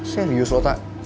serius loh pak